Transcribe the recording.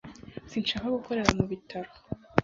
Sinshaka gukorera mu bitaro